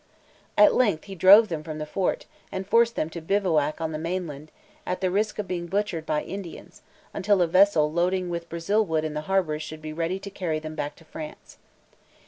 At length he drove them from the fort, and forced them to bivouac on the mainland, at the risk of being butchered by Indians, until a vessel loading with Brazil wood in the harbor should be ready to carry them back to France.